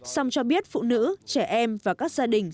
song cho biết phụ nữ trẻ em và các gia đình